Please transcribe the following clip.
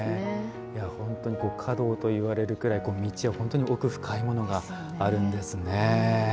本当に華道といわれるくらい道は奥深いものがあるんですね。